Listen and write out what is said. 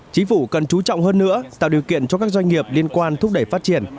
chính phủ cần chú trọng hơn nữa tạo điều kiện cho các doanh nghiệp liên quan thúc đẩy phát triển